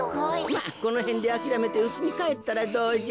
まっこのへんであきらめてうちにかえったらどうじゃ？